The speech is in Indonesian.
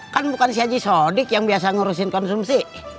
kan bukan si haji sodik yang biasa ngurusin konsumsi